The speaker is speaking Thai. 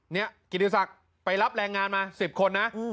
เนี่ยกิริสักฯไปรับแรงงานมาสิบคนนะอืม